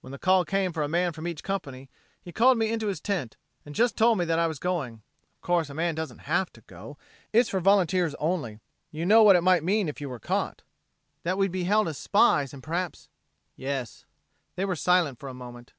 When the call came for a man from each company, he called me into his tent, and just told me that I was going. Of course, a man doesn't have to go. It's for volunteers only. You know what it might mean if you got caught?" "That we'd be held as spies. And perhaps...?" "Yes." They were silent for a moment.